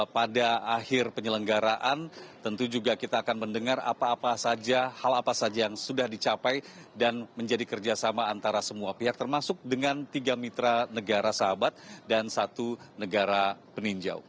pada akhir penyelenggaraan tentu juga kita akan mendengar apa apa saja hal apa saja yang sudah dicapai dan menjadi kerjasama antara semua pihak termasuk dengan tiga mitra negara sahabat dan satu negara peninjau